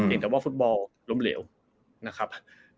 แต่ว่าฟุตบอลล้มเหลวนะครับ